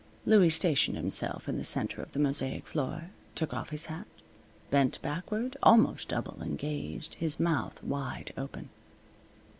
Louie stationed himself in the center of the mosaic floor, took off his hat, bent backward almost double and gazed, his mouth wide open.